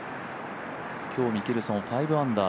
今日、ミケルソン、５アンダー。